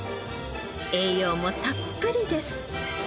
栄養もたっぷりです。